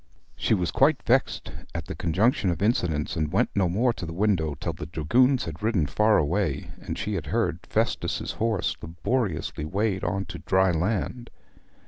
She was quite vexed at the conjunction of incidents, and went no more to the window till the dragoons had ridden far away and she had heard Festus's horse laboriously wade on to dry land.